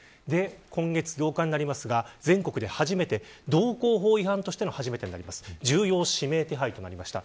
今月８日に全国で初めて道交法違反として初めて重要指名手配となりました。